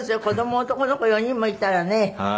子ども男の子４人もいたらね。